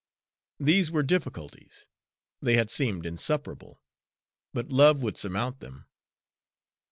There were difficulties they had seemed insuperable, but love would surmount them.